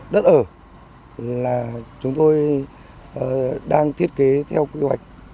đất ở là chúng tôi đang thiết kế theo quy hoạch